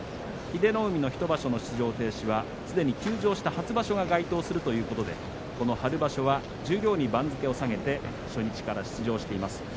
英乃海の１場所の出場停止はすでに休場した初場所が該当するということでこの春場所は十両に番付を下げて初日から出場しています。